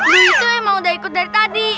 itu emang udah ikut dari tadi